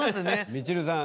みちるさん